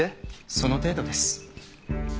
その程度です。